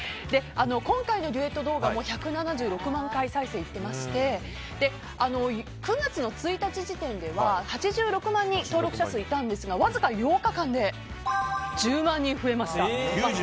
今回のデュエット動画も１７６万回再生いってまして９月１日時点では８６万人の登録者数がいたんですがわずか８日間で１０万人増えました。